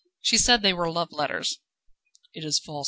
"She said they were love letters." "It is false."